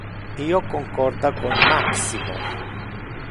Io concorda con Maximo.